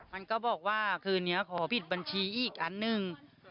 มันก็บอกว่าคืนนี้ขอปิดบัญชีอีกอันหนึ่ง